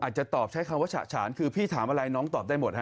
จะตอบใช้คำว่าฉะฉานคือพี่ถามอะไรน้องตอบได้หมดฮ